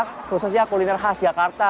khususnya kuliner khas jakarta